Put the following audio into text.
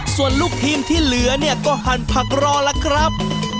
ส่วนลูกทีมที่เหลือเนี่ยก็หั่นผักรอล่ะครับ